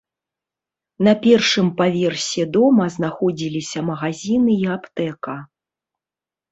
На першым паверсе дома знаходзіліся магазіны і аптэка.